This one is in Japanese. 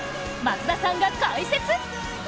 松田さんが解説。